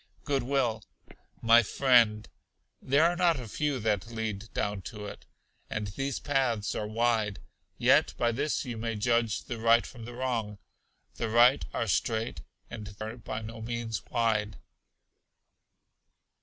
Good will. My friend, there are not a few that lead down to it, and these paths are wide: yet by this you may judge the right from the wrong the right are straight and are by no means wide.